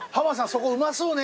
そこうまそうね。